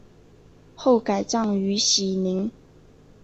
后改葬于禧陵。